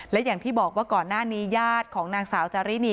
และอย่างที่บอกว่าก่อนหน้านี้ญาติของนางสาวจารินี